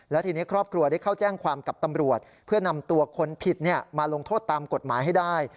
และทีนี้ครอบครัวได้เข้าแจ้งความกับตำรวจเพื่อนำตัวคนผิดมาลงโทษตามกฎหมายให้ได้